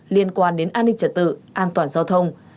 liên quan đến an ninh trật tự an toàn giao thông